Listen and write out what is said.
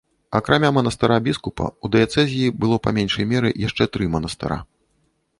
Акрамя манастыра біскупа, у дыяцэзіі было па меншай меры яшчэ тры манастыра.